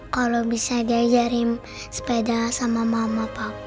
kalau bisa diajarin sepeda sama mama papa